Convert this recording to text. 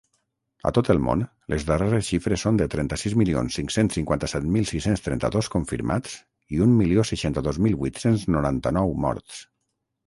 A tot el món, les darreres xifres són de trenta-sis milions cinc-cents cinquanta-set mil sis-cents trenta-dos confirmats i un milió seixanta-dos mil vuit-cents noranta-nou morts.